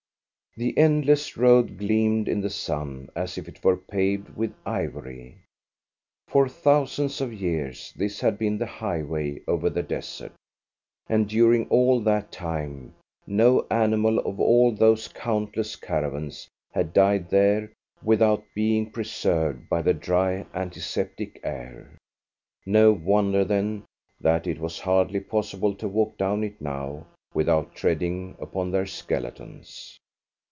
The endless road gleamed in the sun as if it were paved with ivory. For thousands of years this had been the highway over the desert, and during all that time no animal of all those countless caravans had died there without being preserved by the dry, antiseptic air. No wonder, then, that it was hardly possible to walk down it now without treading upon their skeletons.